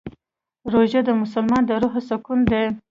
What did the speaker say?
روژه د مسلمان د روح سکون دی.